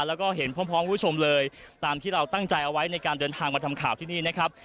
แล้วก็เห็นพร้อมคุณผู้ชมเลยตามที่เราตั้งใจเอาไว้ในการเดินทางมาทำข่าวที่นี่นะครับ